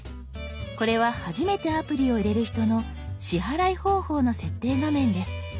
これは初めてアプリを入れる人の支払い方法の設定画面です。